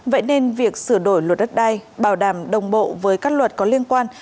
vậy nên việc sửa đổi luật đất đai bảo đảm đồng bộ với các luật có liên quan